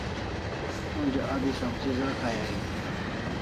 Onja abi sabzi za kay aimi